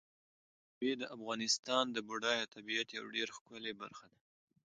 مېوې د افغانستان د بډایه طبیعت یوه ډېره ښکلې برخه ده.